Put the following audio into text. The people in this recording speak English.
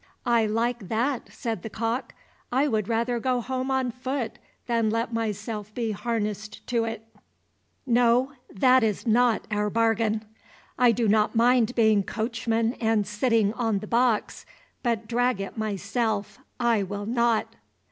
"I like that!" said the cock, "I would rather go home on foot than let myself be harnessed to it; no, that is not our bargain. I do not mind being coachman and sitting on the box, but drag it myself I will not."